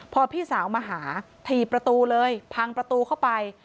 พอพี่สาวมาหาถีบประตูเลยพังประตูเข้าไป